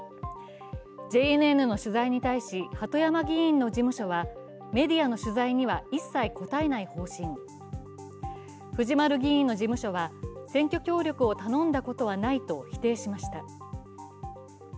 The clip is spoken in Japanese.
ＪＮＮの取材に対し鳩山議員の事務所はメディアの取材には一切答えない方針、藤丸議員の事務所は選挙協力を頼んだことはないと否定しました。